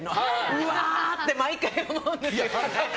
うわーって毎回思うんですよ。